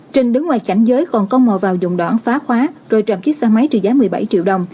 trình đứng ngoài cảnh giới còn công mò vào dụng đoạn phá khóa rồi trộm chiếc xe máy trừ giá một mươi bảy triệu đồng